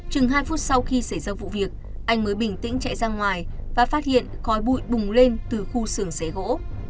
chừng hai phút sau khi xảy ra vụ việc anh mới bình tĩnh chạy ra ngoài và phát hiện khói bụi bùng lên từ khu xưởng xế gỗ